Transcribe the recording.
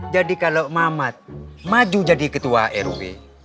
jadi kalau mamat maju jadi ketua rw